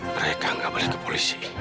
mereka nggak boleh ke polisi